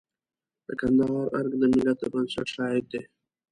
د کندهار ارګ د ملت د بنسټ شاهد دی.